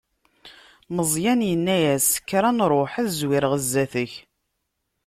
Meẓyan yenna-as: Kker ad nṛuḥ, ad zwireɣ zdat-k.